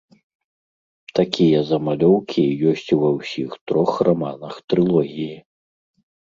Такія замалёўкі ёсць ува ўсіх трох раманах трылогіі.